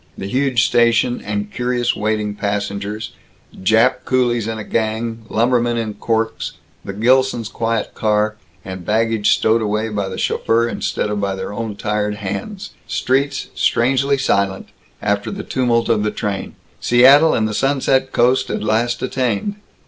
the huge station, and curious waiting passengers, Jap coolies in a gang, lumbermen in corks the Gilsons' quiet car, and baggage stowed away by the chauffeur instead of by their own tired hands streets strangely silent after the tumult of the train Seattle and the sunset coast at last attained.